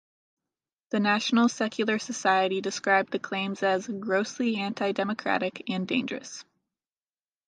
The National Secular Society described the claims as "grossly anti-democratic and dangerous".